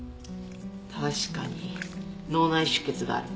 確かに脳内出血がある。